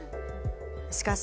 しかし、